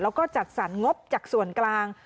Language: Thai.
แล้วก็จัดสรรงบจากส่วนกลาง